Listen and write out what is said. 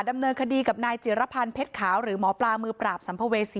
ดำเนินคดีกับนายเจรพรเผ็ดขาวหรือหมอปลามือประลับสัมพเวต